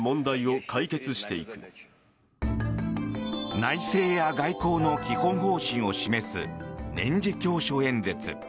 内政や外交の基本方針を示す年次教書演説。